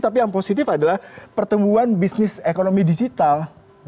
tapi yang positif adalah pertumbuhan bisnis ekonomi digital